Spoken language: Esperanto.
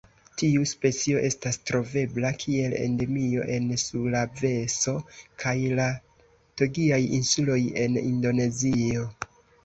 Tiu specio estas trovebla kiel endemio en Sulaveso kaj la Togiaj Insuloj en Indonezio.